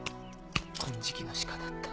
金色の鹿だった。